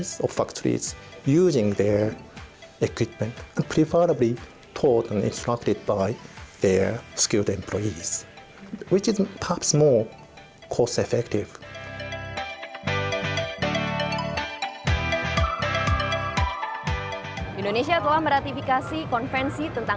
sekarang kita berpikir kenapa kita tidak membuat persetujuan atau persatuan antara sekolah dan perusahaan atau perusahaan